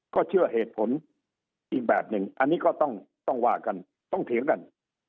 ก็เชื่อเหตุผลอีกแบบหนึ่งอันนี้ก็ต้องว่ากันต้องเถียงกัน